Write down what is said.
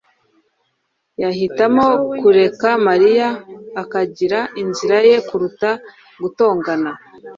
yahitamo kureka Mariya akagira inzira ye kuruta gutongana